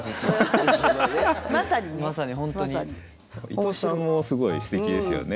伊藤さんもすごいすてきですよね。